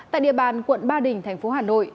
tại địa bàn quận ba đình tp hà nội